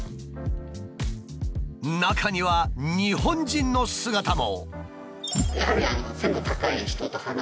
中には日本人の姿も。